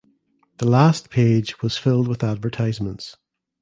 The last page was filled with advertisements.